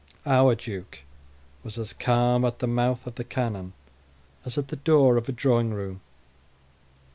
Our duke was as calm at the mouth of the cannon as at the door of a drawing room.